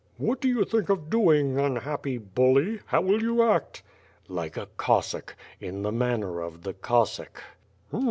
"What do you think of doing, unhappy bully? How will you act?" 220 ^^^^^'/^^ ^Vi) SWORD. "Like a Cossack. In the manner of the Cossack."